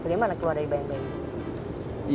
bagaimana keluar dari bayang bayang itu